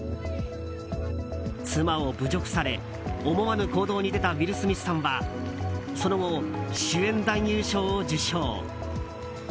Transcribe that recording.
妻を侮辱され、思わぬ行動に出たウィル・スミスさんはその後、主演男優賞を受賞。